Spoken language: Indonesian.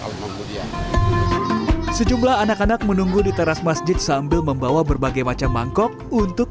almarhudia sejumlah anak anak menunggu di teras masjid sambil membawa berbagai macam mangkok untuk